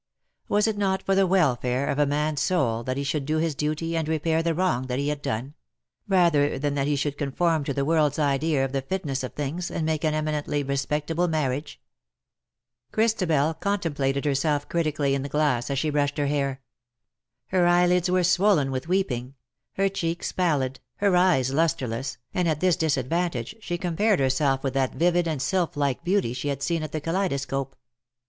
Was it not for the welfare of a man^s soul that he should do his duty and repair the wrong that he had done; rather than that he should conform to the world^s idea of the fitness of things and make an eminently respectable marriage ? Christabel contemplated herself critically in the glass as she brushed her hair. Her eyelids were swollen with weeping — her cheeks pallid, her eyes lustreless, and at this disadvantage she compared herself with that vivid and sy]ph like beauty she had seen at the Kaleidoscope.